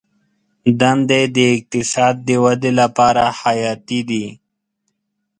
دندې د اقتصاد د ودې لپاره حیاتي دي.